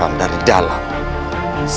dan menghancurkan pajajar anakba